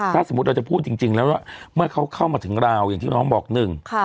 ถ้าสมมุติเราจะพูดจริงแล้วว่าเมื่อเขาเข้ามาถึงราวอย่างที่น้องบอกหนึ่ง